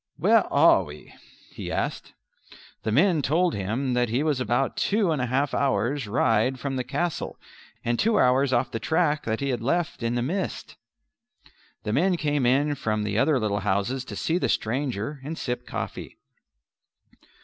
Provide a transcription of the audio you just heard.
"Where are we?" he asked. The men told him that he was about two and a half hours' ride from the castle and two hours off the track that he had left in the mist. The men came in from the other little houses to see the stranger and sip coffee.